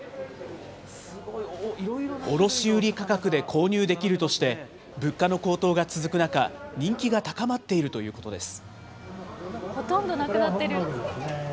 卸売り価格で購入できるとして、物価の高騰が続く中、人気が高まっているということです。